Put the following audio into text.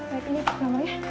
baik ini nomornya